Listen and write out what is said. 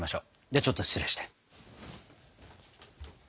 ではちょっと失礼して。